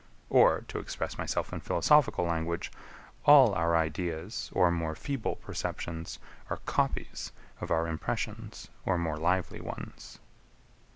Or, to express myself in philosophical language, all our ideas or more feeble perceptions are copies of our impressions or more lively ones.